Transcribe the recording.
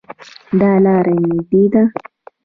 دا لار نږدې ده